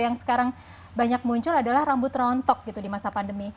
yang sekarang banyak muncul adalah rambut rontok gitu di masa pandemi